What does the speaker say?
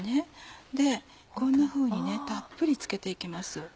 でこんなふうにたっぷり付けて行きます。